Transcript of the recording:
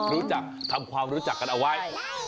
รู้จักทำความรู้จักกันเอาไว้